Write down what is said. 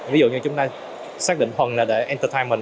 ví dụ như chúng ta xác định thuần là để entertainment